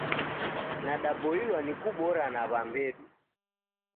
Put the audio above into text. Nadaboilwa ni kubora na. w'ambedu